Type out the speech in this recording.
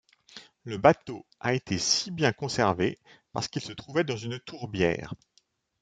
Le bateau a été si bien conservé parce qu'il se trouvait dans une tourbière.